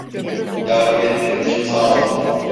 Yardım ettiğin için sağ ol.